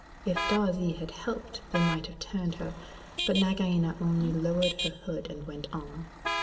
If Darzee had helped they might have turned her; but Nagaina only lowered her hood and went on.